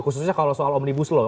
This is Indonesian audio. khususnya kalau soal omnibus law